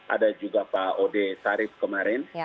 ada juga pak ode tarif kemarin